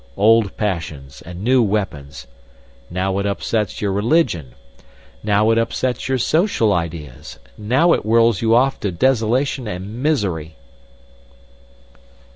Old passions and new weapons—now it upsets your religion, now it upsets your social ideas, now it whirls you off to desolation and misery!"